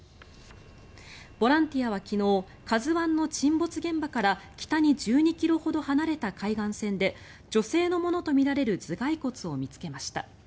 ボランティアは昨日「ＫＡＺＵ１」の沈没現場から北に１２ｋｍほど離れた海岸線で女性のものとみられる頭がい骨を見つけました。